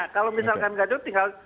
kalau misalkan gajok tinggal